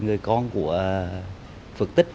người con của phật tịch